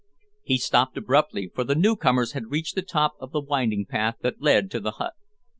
He stopped abruptly, for the new comers had reached the top of the winding path that led to the hut.